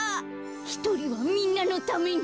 ひとりはみんなのために。